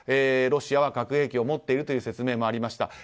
ロシアは核兵器を持っているという説明もありました。